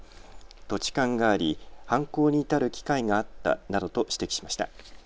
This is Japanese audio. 土地勘があり犯行に至る機会があったなどと指摘しました。